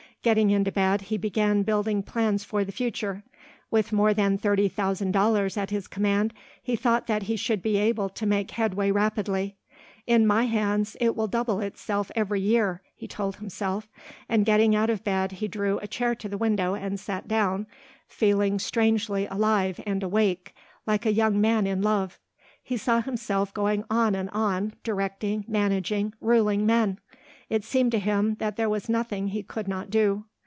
Getting into bed, he began building plans for the future. With more than thirty thousand dollars at his command he thought that he should be able to make headway rapidly. "In my hands it will double itself every year," he told himself and getting out of bed he drew a chair to the window and sat down, feeling strangely alive and awake like a young man in love. He saw himself going on and on, directing, managing, ruling men. It seemed to him that there was nothing he could not do.